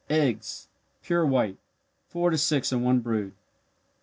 Eggs pure white four to six in one brood.